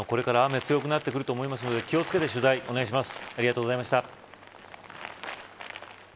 これから雨が強くなってくると思うので気を付けて取材をお願いします。